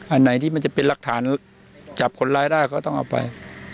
อันไหนที่มันจะเป็นหลักฐานจับคนร้ายได้ก็ต้องเอาไป